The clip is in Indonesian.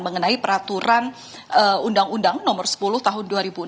mengenai peraturan undang undang nomor sepuluh tahun dua ribu enam belas